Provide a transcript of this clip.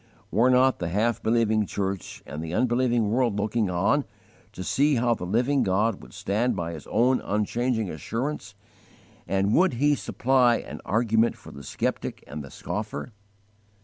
Were not the half believing church and the unbelieving world looking on, to see how the Living God would stand by His own unchanging assurance, and would He supply an argument for the skeptic and the scoffer?